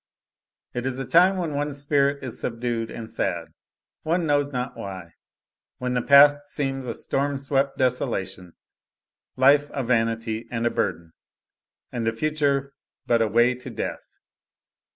It is a time when one's spirit is subdued and sad, one knows not why; when the past seems a storm swept desolation, life a vanity and a burden, and the future but a way to death.